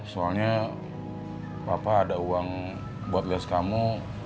soalnya papa ada uang buat gas kamu